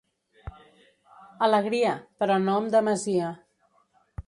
Alegria, però no amb demesia.